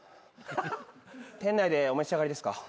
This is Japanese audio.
店内でお召し上がりですか？